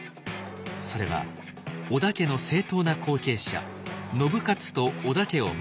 それは織田家の正統な後継者信雄と織田家を守るということ。